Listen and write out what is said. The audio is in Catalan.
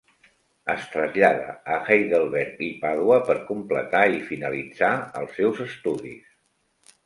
Es trasllada a Heidelberg i Pàdua per completar i finalitzar els seus estudis.